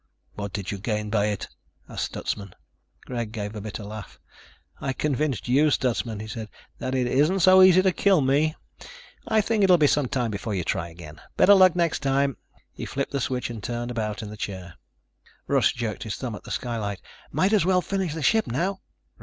"What did you gain by it?" asked Stutsman. Greg gave a bitter laugh. "I convinced you, Stutsman," he said, "that it isn't so easy to kill me. I think it'll be some time before you try again. Better luck next time." He flipped the switch and turned about in the chair. Russ jerked his thumb at the skylight. "Might as well finish the ship now."